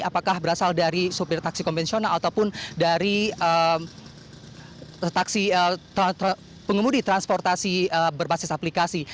apakah berasal dari supir taksi konvensional ataupun dari pengemudi transportasi berbasis aplikasi